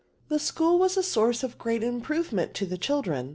The school was a source of great improve ment to the cMIdren.